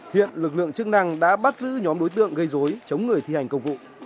hiện lực lượng chức năng đã bắt giữ nhóm đối tượng gây dối chống người thi hành công vụ